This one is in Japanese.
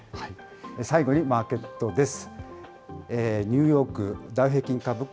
最後にマーケットです。